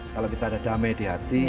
kalau kita ada damai di hati